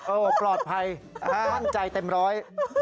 โอ้ปลอดภัยห้ามใจเต็มร้อย